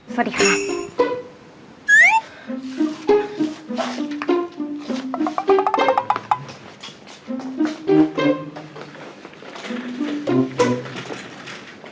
สวัสดีครับ